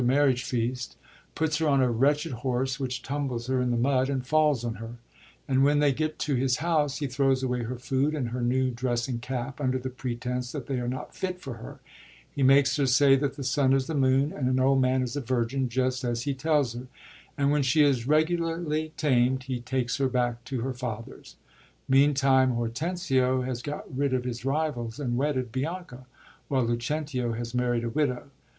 TART I marriage feast, puts her on a wretched horse which tumbles her in the mud and falls on her ; and when they get to his house, he throws away her food, and her new dress and cap, under the pretence that they are not fit for her ; he makes her say that the sun is the moon, and an old man is a virgin, just as he tells her ; and when she is regularly tamed, he takes her back to her father^s. Meantime, Hortensio has got rid of his rivals and wedded Bianca, while Lucentio has married a widow.